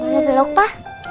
boleh belok pa